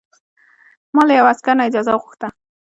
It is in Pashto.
ما له یوه عسکر نه اجازه وغوښته.